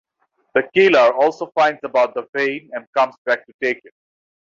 The killer also finds about the vein and comes back to take it.